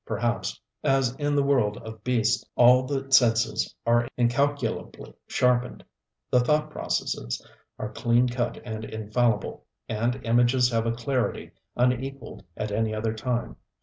Perhaps as in the world of beasts all the senses are incalculably sharpened, the thought processes are clean cut and infallible, and images have a clarity unequalled at any other time.